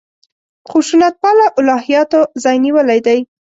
خشونت پاله الهیاتو ځای نیولی دی.